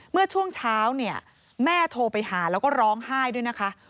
เมื่อช่วงเช้าเนี่ยแม่โทรไปหาแล้วก็ร้องไห้ด้วยนะคะ